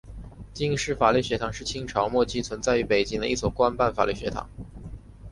京师法律学堂是清朝末期存在于北京的一所官办法律学堂。